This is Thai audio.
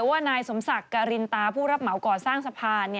ว่านายสมศักดิ์การินตาผู้รับเหมาก่อสร้างสะพาน